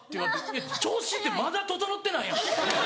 いや調子ってまだ整ってないやん。